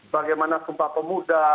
bagaimana sumpah pemuda